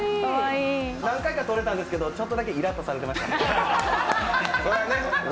何回か取れたんですけど、ちょっとだけイラッとされてました。